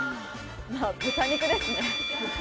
豚肉ですね。